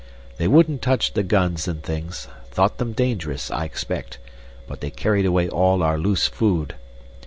They wouldn't touch the guns and things thought them dangerous, I expect but they carried away all our loose food.